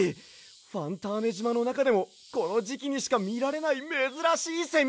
ファンターネじまのなかでもこのじきにしかみられないめずらしいセミ！